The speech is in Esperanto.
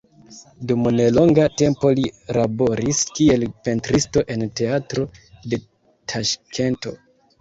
Dum nelonga tempo li laboris kiel pentristo en teatro de Taŝkento.